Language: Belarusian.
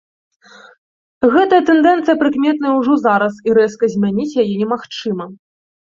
Гэтая тэндэнцыя прыкметная ўжо зараз і рэзка змяніць яе немагчыма.